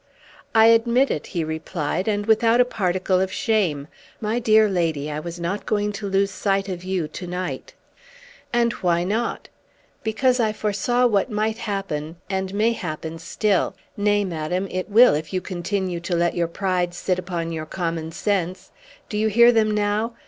"I admit it," he replied, "and without a particle of shame. My dear lady, I was not going to lose sight of you to night!" "And why not?" "Because I foresaw what might happen, and may happen still! Nay, madam, it will, if you continue to let your pride sit upon your common sense. Do you hear them now?